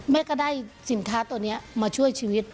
แม่ก็ได้สินค้าตัวนี้มาช่วยชีวิต